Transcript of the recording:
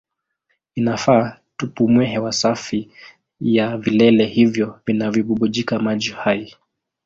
Inafaa tupumue hewa safi ya vilele hivyo vinavyobubujika maji hai.